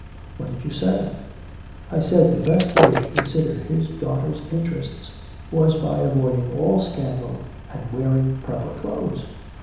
'What did you say?' 'I said the best way to consider his daughter's interests, was by avoiding all scandal and wearing proper clothes.'